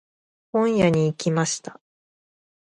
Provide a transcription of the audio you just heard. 本屋に行きました。